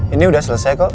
ini udah selesai kok